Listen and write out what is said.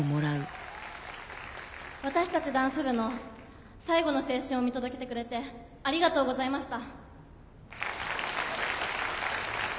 私たちダンス部の最後の青春を見届けてくれてありがとうございました。